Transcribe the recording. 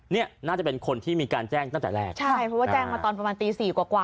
เนี่ยน่าจะเป็นคนที่มีการแจ้งตั้งแต่แรกใช่เพราะว่าแจ้งมาตอนประมาณตีสี่กว่ากว่า